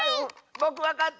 ぼくわかった！